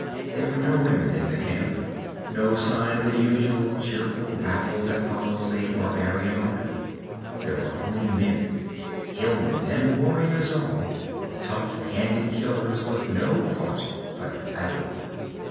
There were no women in the camp, no sign of the usual cheerful rabble that follows a barbarian army. There were only men hillmen and warriors all, tough handed killers with no thought but battle.